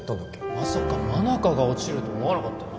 まさか真中が落ちるとは思わなかったよな